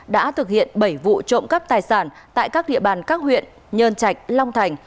đã thực hiện bảy vụ trộm cắp tài sản tại các địa bàn các huyện nhơn trạch long thành